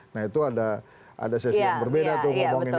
nah itu ada sesi yang berbeda tuh ngomongin